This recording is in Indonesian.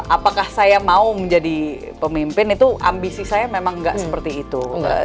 apakah saya mau menjadi pemimpin itu ambisi saya memang nggak seperti itu